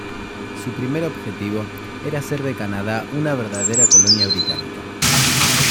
Su primer objetivo era hacer de Canadá una verdadera colonia británica.